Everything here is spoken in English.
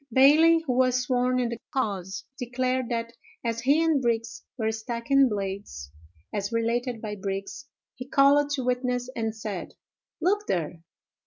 "Bailey, who was sworn in the cause, declared that as he and Brigs were stacking blades, as related by Brigs, he called to witness and said, 'Look there!